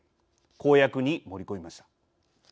公約に盛り込みました。